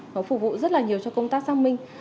nó phục vụ rất là nhiều cho công tác xác minh